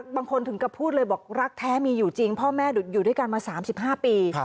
ถึงกับพูดเลยบอกรักแท้มีอยู่จริงพ่อแม่อยู่ด้วยกันมา๓๕ปี